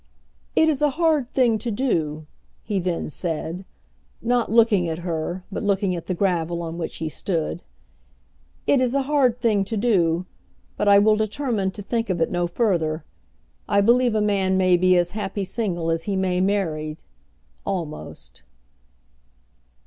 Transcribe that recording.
"It is a hard thing to do," he then said, not looking at her, but looking at the gravel on which he stood. "It is a hard thing to do, but I will determine to think of it no further. I believe a man may be as happy single as he may married, almost."